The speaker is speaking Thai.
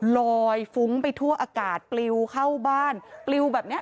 ลอยฟุ้งไปทั่วอากาศปลิวเข้าบ้านปลิวแบบเนี้ย